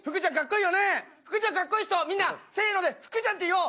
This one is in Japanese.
ふくちゃんかっこいい人みんなせのでふくちゃんって言おう。